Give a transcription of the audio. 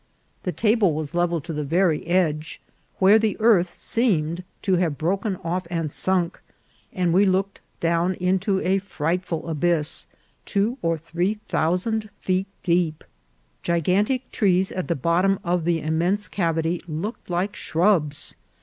The table was level to the very edge, where the earth seemed to have broken off and sunk, and we looked down into a frightful abyss two or three thousand feet deep. Gigantic trees at the bottom of the immense cavity looked like shrubs.